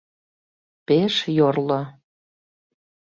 Пеш йорло.